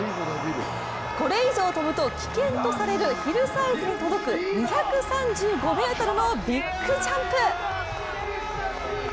これ以上飛ぶと危険とされるヒルサイズに届く２３５ｍのビッグジャンプ。